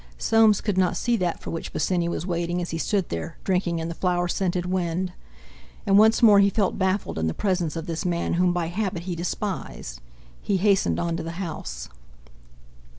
Soames could not see that for which Bosinney was waiting as he stood there drinking in the flower scented wind. And once more he felt baffled in the presence of this man whom by habit he despised. He hastened on to the house.